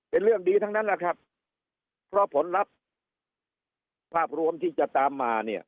เป็นเรื่องดีทั้งนั้นแหละครับเพราะผลลัพธ์ภาพรวมที่จะตามมาเนี่ย